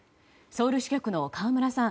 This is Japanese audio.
ソウル支局の河村さん。